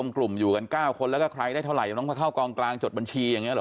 กลุ่มอยู่กัน๙คนแล้วก็ใครได้เท่าไหร่น้องมาเข้ากองกลางจดบัญชีอย่างนี้หรอ